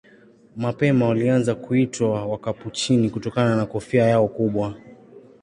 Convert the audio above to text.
Mapema walianza kuitwa Wakapuchini kutokana na kofia yao kubwa.